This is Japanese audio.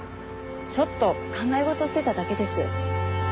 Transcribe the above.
ちょっと考え事してただけです。